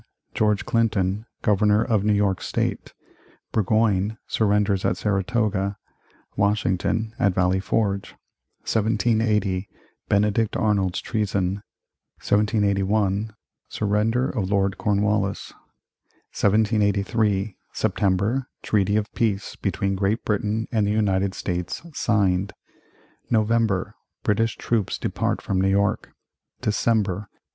George Clinton, Governor of New York State Burgoyne surrenders at Saratoga Washington at Valley Forge 1780. Benedict Arnold's treason 1781. Surrender of Lord Cornwallis 1783. September. Treaty of Peace, between Great Britain and the United States, signed November. British troops depart from New York December.